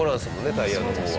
タイヤの方は。